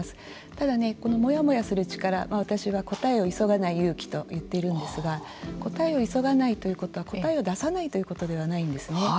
ただ、このモヤモヤする力私は答えを急がない勇気と言っているんですが答えを急がないということは答えを出さないということではないんですね。